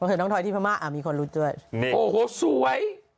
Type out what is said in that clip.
เธอน้องทอยที่พม่ามีคนรุดด้วยโอ้โหสวย